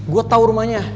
gue tau rumahnya